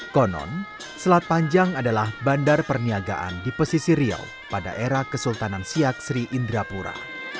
konon selat panjang adalah bandar perniagaan di pesisir riau pada era kesultanan siak sri indrapura